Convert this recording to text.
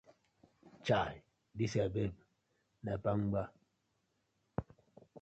Chai dis yur babe na kpangba.